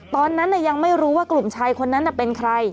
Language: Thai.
ตอนนั้นยังไม่รู้ว่ากลุ่มชายคนนั้นเป็นใคร